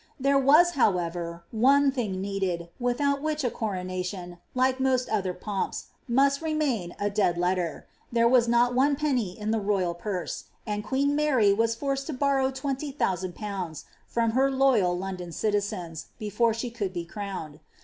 There was, however, one thing needed, without which a coronation, like roost other pomps, must reinain a dead letter^— there was not one penny in the royal purse ; and queen Mary was forced to borrow 20,000/. from her loyal London citizens, before she could be crowned.